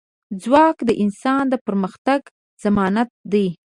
ځواک د انسان د پرمختګ ضمانت دی.